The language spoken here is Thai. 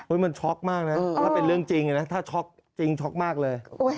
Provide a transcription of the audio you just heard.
มันช็อกมากนะถ้าเป็นเรื่องจริงนะถ้าช็อกจริงช็อกมากเลย